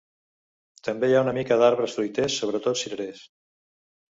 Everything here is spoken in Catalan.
També hi ha una mica d'arbres fruiters, sobretot cirerers.